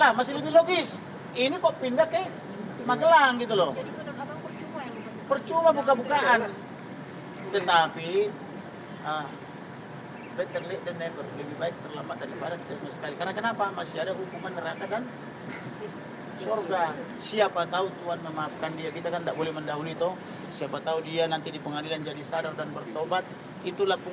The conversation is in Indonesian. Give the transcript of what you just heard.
dan mereka menyatakan bahwa dalam membela ibu pece ataupun bapak dato' sampo mereka menyatakan akan objektif